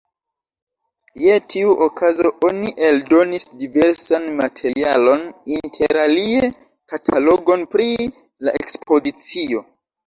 Je tiu okazo oni eldonis diversan materialon, interalie katalogon pri la ekspozicio.